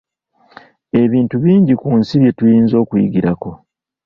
Ebintu bingi ku nsi bye tuyinza okuyigirako.